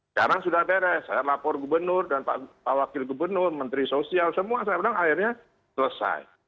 sekarang sudah beres saya lapor gubernur dan pak wakil gubernur menteri sosial semua saya bilang akhirnya selesai